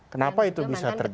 kenapa itu bisa terjadi